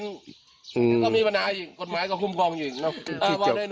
ก็มีปัญหาอีกกฎหมายก็คุ้นกองอยู่อีกเนอะ